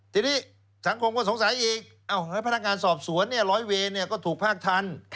ทีนี้สังคมก็สงสัยอีกพนักงานสอบสวนร้อยเวรก็ถูกภาคทัน